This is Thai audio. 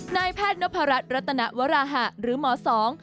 นายแพทย์นพรัชรัตนวราหะหรือหมอสอง